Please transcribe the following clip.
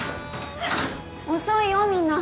遅いよみんな。